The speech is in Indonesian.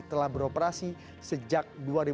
telah beroperasi sejak